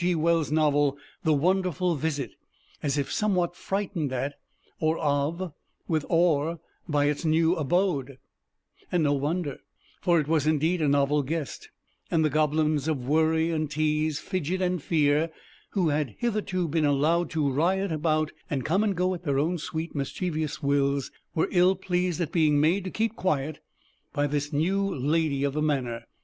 G. Wells' novel, "The Wonderful Visit," as if somewhat frightened at, or of, with, or by its new abode, and no wonder, for it was indeed a novel guest, and the goblins of "Worry and Tease, Fidget and Fear," who had hitherto been allowed to riot about and come and go at their own sweet mischievous wills, were ill pleased at being made to keep quiet by this new lady of the manor.